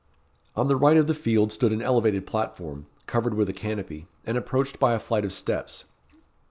On the right of the field stood an elevated platform, covered with a canopy, and approached by a flight of steps.